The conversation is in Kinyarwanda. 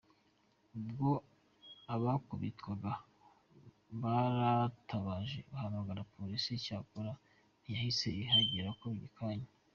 Ubwo abakubitwaga baratabaje bahamagara Polisi cyakora ntiyahise ihagera ako kanya.